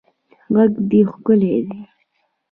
غږ دې ښکلی دی